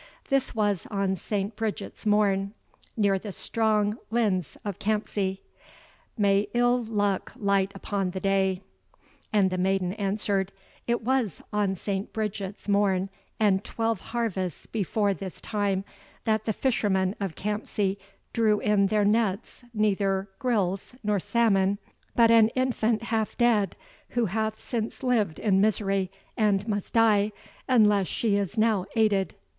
This was on St. Bridget's morn, near the strong Lyns of Campsie. May ill luck light upon the day." And the maiden answered, "It was on St. Bridget's morn, and twelve harvests before this time, that the fishermen of Campsie drew in their nets neither grilse nor salmon, but an infant half dead, who hath since lived in misery, and must die, unless she is now aided."